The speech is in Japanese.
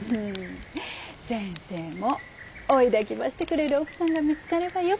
先生も追いだきばしてくれる奥さんが見つかればよかね。